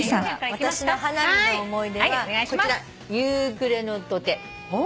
私の花火の思い出はこちら「夕暮れの土手」